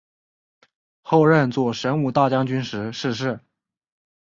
后任左神武大将军时逝世。